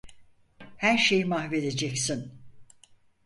Her şeyi mahvedeceksin.